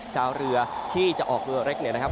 ชาวเรือที่จะออกเรือเล็กเนี่ยนะครับ